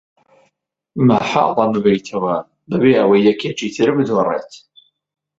مەحاڵە ببەیتەوە بەبێ ئەوەی یەکێکی تر بدۆڕێت.